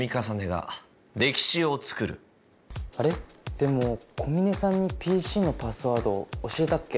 でも小峰さんにＰＣのパスワード教えたっけ？